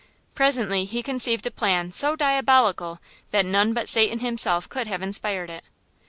Presently he conceived a plan so diabolical that none but Satan himself could have inspired it!